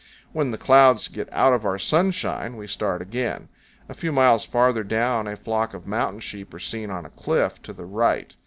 When the clouds "get out of our sunshine" we start again. A few miles farther down a flock of mountain sheep are seen on a cliff to the right.